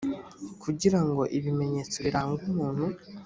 kugira ngo ibimenyetso biranga umuntu